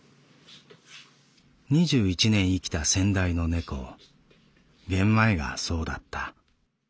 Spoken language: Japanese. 二十一年生きた先代の猫ゲンマイがそうだった。